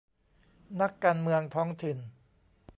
นักการเมืองท้องถิ่น